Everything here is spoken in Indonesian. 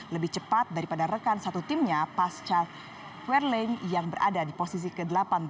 lebih cepat daripada rekan satu timnya pasca kueling yang berada di posisi ke delapan belas